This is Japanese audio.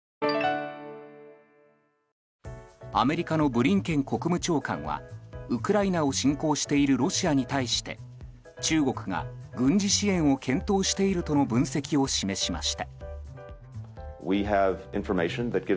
アメリカのブリンケン国務長官はウクライナを侵攻しているロシアに対して中国が軍事支援を検討しているとの分析を示しました。